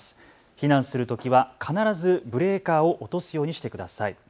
避難するときは必ずブレーカーを落とすようにしてください。